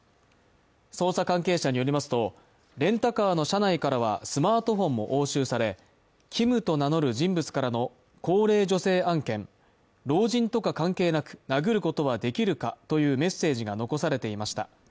捜査関係者によりますと、レンタカーの車内からはスマートフォンも押収されＫｉｍと名乗る人物からの高齢女性案件、老人とか関係なく殴ることはできるかというメッセージが残されていました。